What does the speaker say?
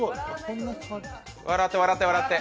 笑って、笑って、笑って。